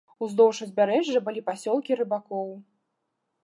Уздоўж узбярэжжа былі пасёлкі рыбакоў.